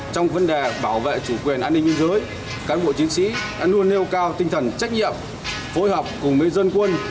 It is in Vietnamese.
trong vấn đề bảo vệ chủ quyền an ninh biên giới cán bộ chiến sĩ đã luôn nêu cao tinh thần trách nhiệm phối hợp cùng với dân quân